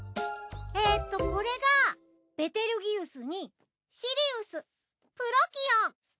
えっとこれがペテルギウスにシリウスプロキオン。